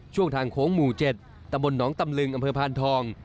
ช่วงทางโค้งหมู่๗ตำบลหนองตำลึงอำเภอพานทอง